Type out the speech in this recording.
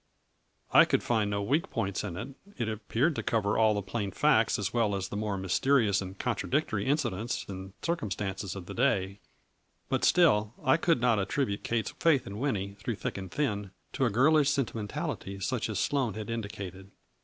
I could find no weak points in it, it ap peared to cover all the plain facts as well as the more mysterious and contradictory incidents and circumstances of the day, but still I could not attribute Kate's faith in Winnie, through thick and thin, to a girlish sentimentality such as Sloane had indicated.